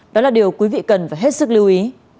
đó là điều quý vị cần phải hết sức lưu ý